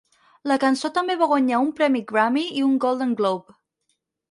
La cançó també va guanyar un premi Grammy i un Golden Globe.